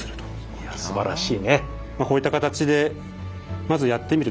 いやすばらしいね。